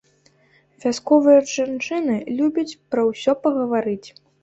Вясковыя жанчыны любяць пра ўсё пагаварыць.